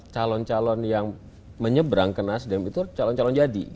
calon calon yang menyeberang ke nasdem itu calon calon jadi